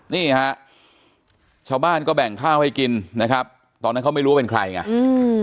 นี่ฮะชาวบ้านก็แบ่งข้าวให้กินนะครับตอนนั้นเขาไม่รู้ว่าเป็นใครไงอืม